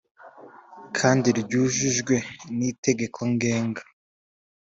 kandi ryujujwe n’itegeko ngenga